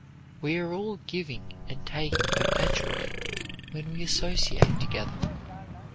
We are all giving and taking perpetually when we associate together.